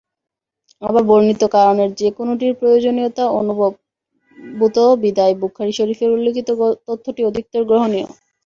আবার বর্ণিত কারণের যে কোনটির প্রয়োজনীয়তা অনুভূত বিধায় বুখারী শরীফের উল্লেখিত তথ্যটি অধিকতর গ্রহণীয়।